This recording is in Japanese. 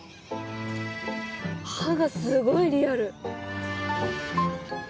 歯がすごいリアル！